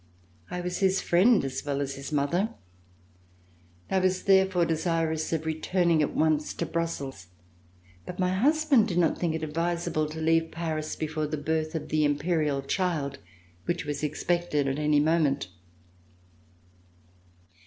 I was his friend, as well as his mother. I was therefore desirous of returning at once to Brussels, but my husband did not think it advisable to leave Paris before the birth of the Imperial child which was expected at any moment.